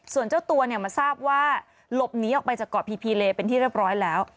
ส่วนเจ้าตัวเนี่ยมาทราบว่าหลบหนีออกไปจากเกาะพีพีเลเป็นที่เรียบร้อยแล้ว